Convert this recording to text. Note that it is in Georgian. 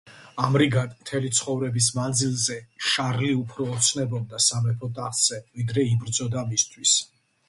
ამრიგად მთელი ცხოვრების მანძილზე შარლი უფრო ოცნებობდა სამეფო ტახტზე, ვიდრე იბრძოდა მისთვის.